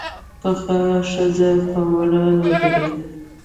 پخه ښځه په وره ودرېده.